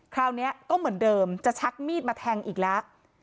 คราวนี้ก็เหมือนเดิมจะชักมีดมาแทงอีกแล้ว